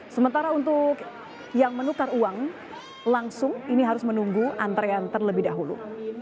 sementara untuk yang menukar uang langsung ini harus menunggu antrean terlebih dahulu